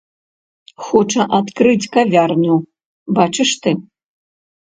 Хоча адкрыць кавярню, бачыш ты!